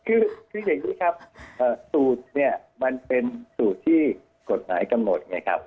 คืออย่างนี้ครับสูตรเนี่ยมันเป็นสูตรที่กฎหมายกำหนดไงครับ